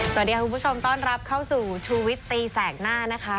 สวัสดีค่ะคุณผู้ชมต้อนรับเข้าสู่ชูวิตตีแสกหน้านะคะ